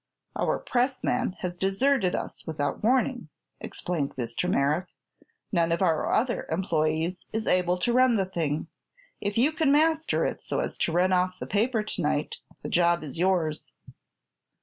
"Our pressman has deserted us without warning," explained Mr. Merrick. "None of our other employees is able to run the thing. If you can master it so as to run off the paper tonight, the job is yours."